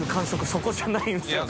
そこじゃないんですよね。